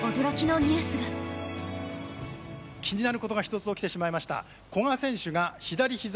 気になる事が一つ起きてしまいました。